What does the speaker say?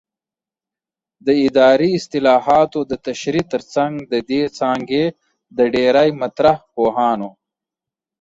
د اداري اصطلاحاتو د تشریح ترڅنګ د دې څانګې د ډېری مطرح پوهانو